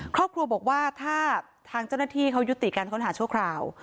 ครอบครัวบอกว่าถ้าทางเจ้าหน้าที่เขายุติการค้นหาชั่วคราว